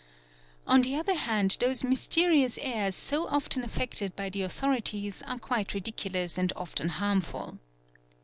On the other hand those mysterious airs so often affected by the — authorities are quite ridiculous and often harmful.